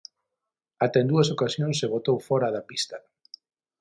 Ata en dúas ocasións se botou fóra da pista.